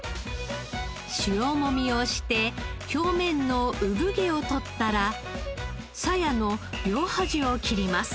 塩もみをして表面の産毛を取ったらサヤの両端を切ります。